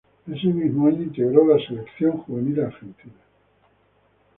Ese mismo año integró el Seleccionado Juvenil argentino.